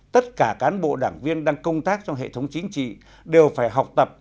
tất cả cán bộ đảng viên đang công tác trong hệ thống chính trị đều phải học tập